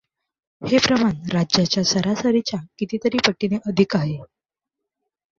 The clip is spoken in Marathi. हे प्रमाण राज्याच्या सरासरीच्या कितीतरी पटीने अधिक आहे.